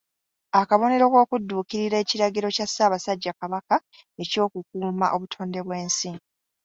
Akabonero k’okudduukirira ekiragiro kya Ssaabasajja Kabaka eky’okukuuma obutonde bw’ensi.